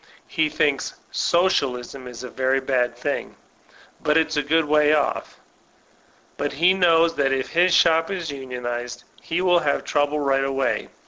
He thinks Socialism is a very bad thing; but it's a good way off! But he knows that if his shop is unionized, he will have trouble right away.